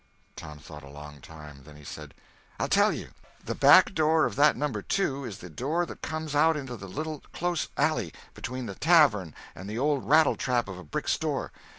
Tom thought a long time. Then he said: "I'll tell you. The back door of that No. 2 is the door that comes out into that little close alley between the tavern and the old rattle trap of a brick store.